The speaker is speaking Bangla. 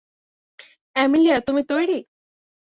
অ্যামেলিয়া, তুমি তৈরি?